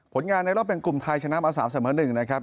ผลงานในรอบแบ่งกลุ่มไทยชนะมา๓เสมอ๑นะครับ